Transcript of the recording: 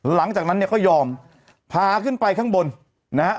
หลังจากนั้นเนี่ยก็ยอมพาขึ้นไปข้างบนนะฮะ